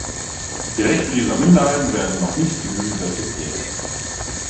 Die Rechte dieser Minderheiten werden noch nicht genügend respektiert.